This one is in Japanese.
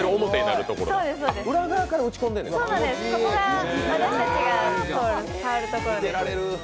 裏側から打ち込んでんねんな。